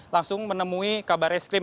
langsung menemui kabar reskrim